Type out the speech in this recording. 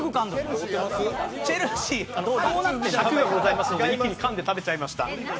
尺がありますので一気にかんで食べちゃいました。